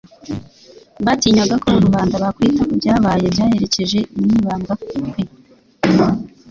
Batinyaga ko rubanda bakwita ku byabaye byaherekeje lnibambwa kwe,